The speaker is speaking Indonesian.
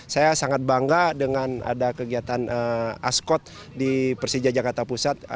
saya sangat bangga dengan ada kegiatan askot di persija jakarta pusat